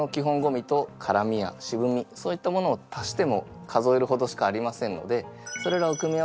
味と辛味や渋味そういったものを足しても数えるほどしかありませんので言ったな？